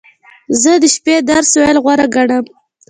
زه د شپې درس ویل غوره ګڼم.